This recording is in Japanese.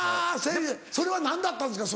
それは何だったんですか？